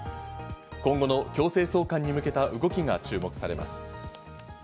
今後の強制送還に向けた動きが注目されます。